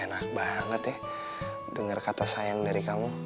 enak banget ya dengar kata sayang dari kamu